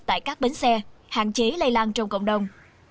tại các bến xe hạn chế lây lan trong cộng đồng